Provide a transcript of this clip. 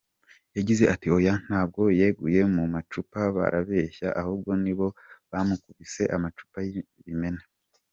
Yagize ati “Oya ntabwo yaguye mu macupa barabeshya ahubwo nibo bamukubise amacupa y’ibimene.